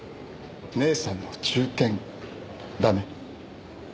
姉さんの忠犬だね。